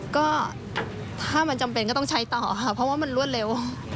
ก็ถ้ามันจำเป็นก็ต้องใช้ต่อค่ะเพราะว่ามันรวดเร็ว